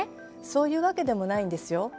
そういうわけでもないんですよ。